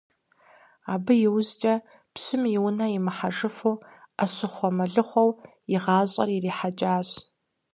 Абы иужькӏэ, пщым и унэ имыхьэфу, Ӏэщыхъуэ-мэлыхъуэу и гъащӀэр ирихьэкӏащ.